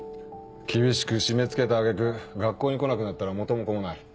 厳しく締め付けた揚げ句学校に来なくなったら元も子もない。